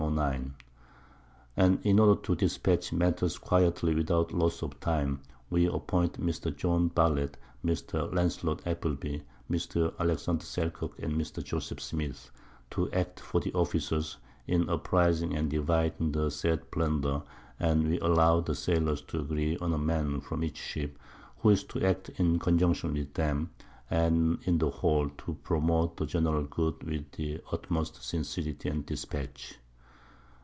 And in order to dispatch Matters quietly without loss of time, we appoint Mr. John Ballett, Mr. Lancelot Appleby, Mr. Alexander Selkirk, and Mr. Joseph Smith, _to act for the Officers, in apprising and dividing the said Plunder, and we allow the Sailors to agree on a Man from each Ship, who is to act in conjunction with them, and in the whole to promote the general Good with the utmost Sincerity and Dispatch.